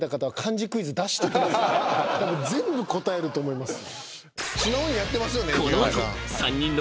たぶん全部答えると思います。